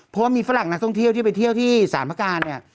เพราะว่ามีฝรั่งนักท่องเที่ยวที่ไปเที่ยวที่สารพระการเนี่ย